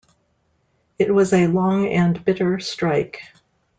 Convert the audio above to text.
It was a long and bitter strike.